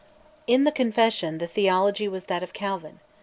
In the Confession the theology was that of Calvin.